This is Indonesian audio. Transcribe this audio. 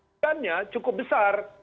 desainnya cukup besar